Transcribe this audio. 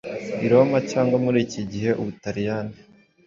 i Roma, cyangwa muri iki gihe Ubutaliyani,